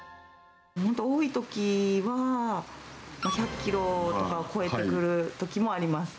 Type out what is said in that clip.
本当、多いときは１００キロとか超えてくるときもあります。